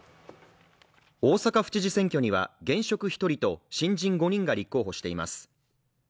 大阪府知事選では現職１人と新人５人が立候補しています。